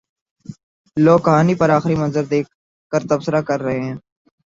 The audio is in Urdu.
لوگ کہانی پر آخری منظر دیکھ کر تبصرہ کر رہے ہیں۔